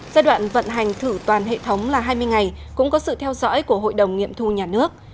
giai đoạn vận hành thử toàn hệ thống là hai mươi ngày cũng có sự theo dõi của hội đồng nghiệm thu nhà nước